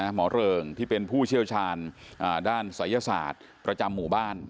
เริงที่เป็นผู้เชี่ยวชาญด้านศัยศาสตร์ประจำหมู่บ้าน